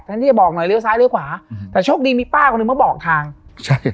ที่จะบอกหน่อยเลี้ยซ้ายเลี้ยขวาอืมแต่โชคดีมีป้าคนหนึ่งมาบอกทางใช่